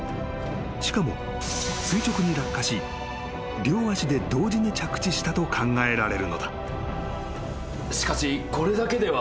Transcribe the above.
［しかも垂直に落下し両足で同時に着地したと考えられるのだ］